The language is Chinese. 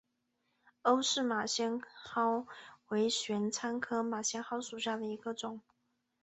欧氏马先蒿为玄参科马先蒿属下的一个种。